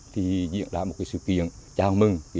thì hiện ra một sự kiện chào mừng